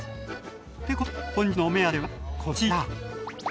ってことで本日のお目当てはこちら！